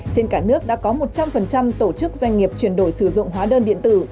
trên cả nước đã có một trăm linh tổ chức doanh nghiệp chuyển đổi sử dụng hóa đơn điện tử